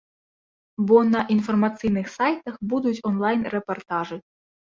Бо на інфармацыйных сайтах будуць онлайн рэпартажы.